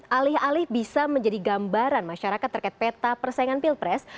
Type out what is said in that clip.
alih alih bisa menjadi gambaran masyarakat terkait peta persaingan pilpres